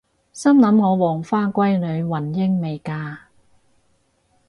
心諗我黃花閨女雲英未嫁！？